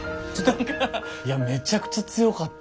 いやめちゃくちゃ強かった。